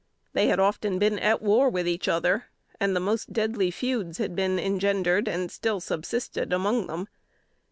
They had often been at war with each other; and the most deadly feuds had been engendered and still subsisted among them.